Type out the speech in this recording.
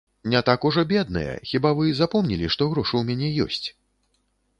Не так ужо бедныя, хіба вы запомнілі, што грошы ў мяне ёсць?